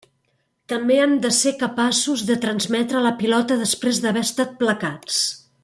També han de ser capaços de transmetre la pilota després d'haver estat placats.